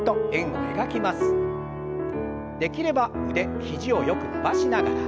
できれば腕肘をよく伸ばしながら。